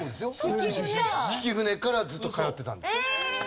曳舟からずっと通ってたんです。